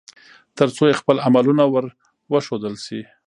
ترڅو يې خپل عملونه ور وښودل شي